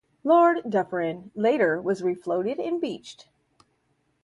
"Lord Dufferin" later was refloated and beached.